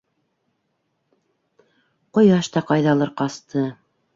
Ҡояш та ҡайҙалыр ҡасты.